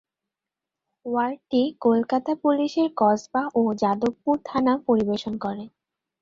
ওয়ার্ডটি কলকাতা পুলিশের কসবা ও যাদবপুর থানা পরিবেশন করে।